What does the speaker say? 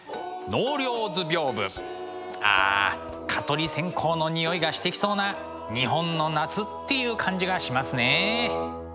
ああ蚊取り線香の匂いがしてきそうな日本の夏っていう感じがしますね。